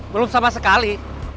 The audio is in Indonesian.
belum sama sekali